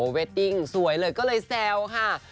เวดดิ้งสวยเลยก็เลยแซวค่ะ